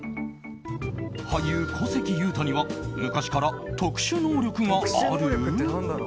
俳優・小関裕太には昔から特殊能力がある？